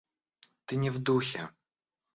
Ты не в духе.